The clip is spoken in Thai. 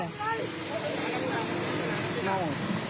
อ้าว